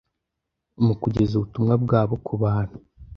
mu kugeza ubutumwa bwabo ku bantu